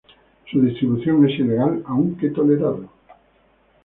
Su distribución es ilegal, aunque tolerada.